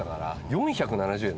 ４７０円？